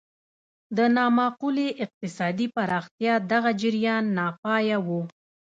د نامعقولې اقتصادي پراختیا دغه جریان ناپایه و.